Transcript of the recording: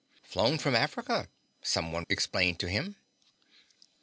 "Flown from Africa," someone explained to him.